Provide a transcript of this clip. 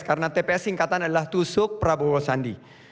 karena tps singkatan adalah tusuk prabowo sandi